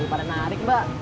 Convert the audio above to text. pada narik mbak